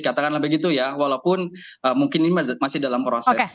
katakanlah begitu ya walaupun mungkin ini masih dalam proses